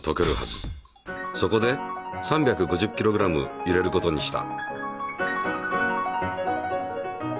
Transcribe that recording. そこで３５０ｋｇ入れることにした。